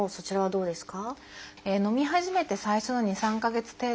そうですか。